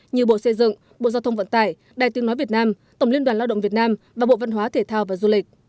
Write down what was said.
như bộ xây dựng bộ giao thông vận tải đài tiếng nói việt nam tổng liên đoàn lao động việt nam và bộ văn hóa thể thao và du lịch